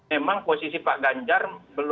memang posisi pak ganjar